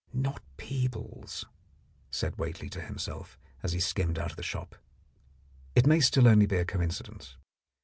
"Not Peebles," said Whately to himself, as he skimmed out of the shop. "It may still only be a coincidence."